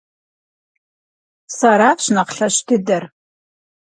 Сэращ нэхъ лъэщ дыдэр!